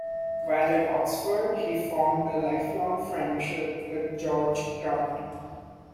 While at Oxford, he formed a lifelong friendship with George Grant.